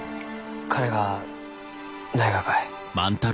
金がないがかえ？